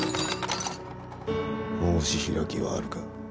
申し開きはあるか？